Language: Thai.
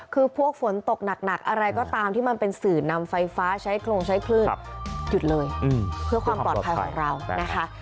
คือพวกฝนตกหนักอะไรก็ตามที่มันเป็นสื่อนำไฟฟ้าใช้โครงใช้คลื่นหยุดเลยเพื่อความปลอดภัยของเรานะคะ